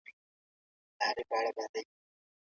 ښه زړه تل مینه خپروي